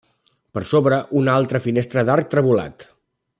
Per sobre una altra finestra d'arc trevolat.